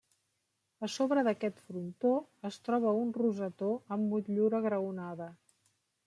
A sobre d'aquest frontó es troba un rosetó amb motllura graonada.